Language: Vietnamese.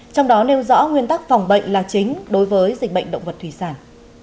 trong đó nêu rõ nguyên tắc phòng bệnh là chính đối với dịch bệnh động vật thủy sản